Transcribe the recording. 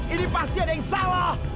ini pasti ada yang salah